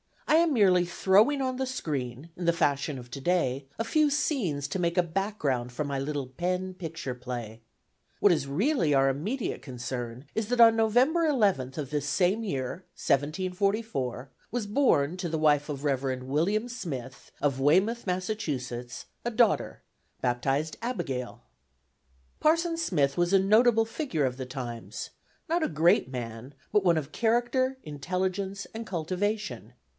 I am merely throwing on the screen, in the fashion of today, a few scenes to make a background for my little pen picture play. What is really our immediate concern is that on November eleventh of this same year, 1744, was born to the wife of the Reverend William Smith of Weymouth, Massachusetts, a daughter, baptized Abigail. Parson Smith was a notable figure of the times; not a great man, but one of character, intelligence and cultivation.